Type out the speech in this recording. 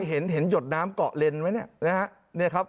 เห็นหยดน้ำเกาะเลนไว้เนี่ยนะครับ